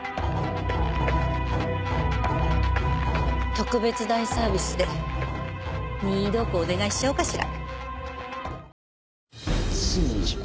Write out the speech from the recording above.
特別大サービスで任意同行お願いしちゃおうかしら。